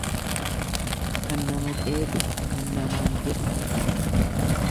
Kan nama qeequ kan namaan jedhu hin dhabu.